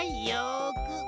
よく。